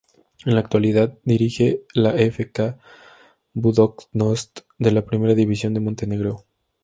En la actualidad dirige al F. K. Budućnost de la Primera División de Montenegro.